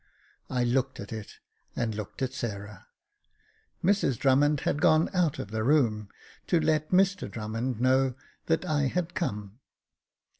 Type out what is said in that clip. I looked at it, and looked at Sarah. Mrs Drummond had gone out of the room to let Mr Drummond know that I had come.